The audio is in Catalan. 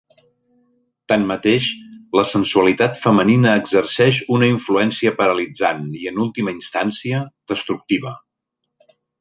Tanmateix, la sensualitat femenina exerceix una influència paralitzant i, en última instància, destructiva.